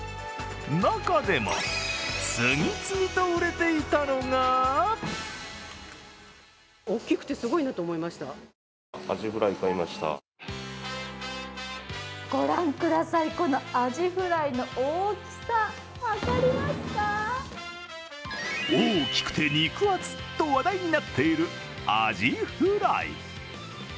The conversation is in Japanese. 中でも次々と売れていたのがご覧ください、このアジフライの大きさ、大きくて肉厚と話題になっている、アジフライ。